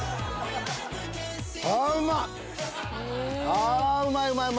あうまっ！